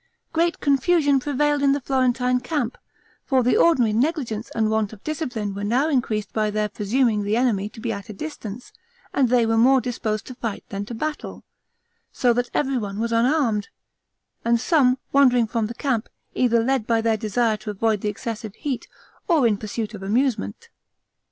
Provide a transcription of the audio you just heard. Great confusion prevailed in the Florentine camp, for the ordinary negligence and want of discipline were now increased by their presuming the enemy to be at a distance, and they were more disposed to fight than to battle; so that everyone was unarmed, and some wandering from the camp, either led by their desire to avoid the excessive heat, or in pursuit of amusement.